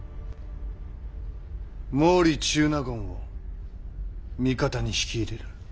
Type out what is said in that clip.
毛利中納言を味方に引き入れる。